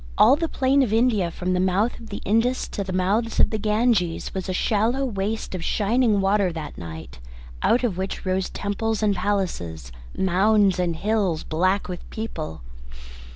All the plain of India from the mouth of the Indus to the mouths of the Ganges was a shallow waste of shining water that night, out of which rose temples and palaces, mounds and hills, black with people.